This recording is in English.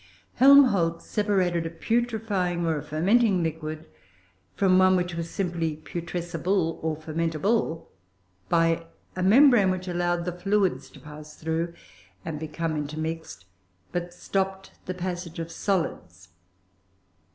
Helmholtz separated a putrefying or a fermenting liquid from one which was simply putrescible or fermentable by a membrane which allowed the fluids to pass through and become intermixed, but stopped the passage of solids.